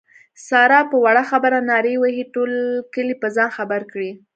ساره په وړه خبره نارې وهي ټول کلی په ځان خبر کړي.